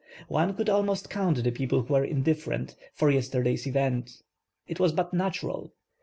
One could almost count the people who were indifferent, for yesterday's events. It was but natural.